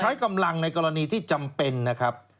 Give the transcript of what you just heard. ใช้กำลังในกรณีที่จำเป็นนะครับ